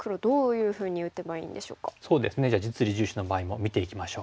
そうですねじゃあ実利重視の場合も見ていきましょう。